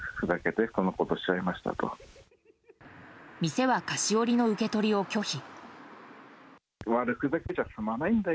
店は菓子折りの受け取りを拒否。